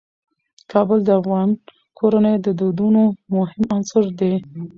کابل د افغان کورنیو د دودونو مهم عنصر دی.